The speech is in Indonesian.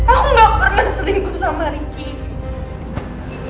aku gak pernah selingkuh sama ricky